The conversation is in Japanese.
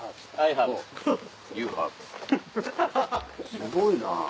すごいな。